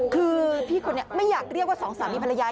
คือพี่คนนี้ไม่อยากเรียกว่าสองสามีภรรยา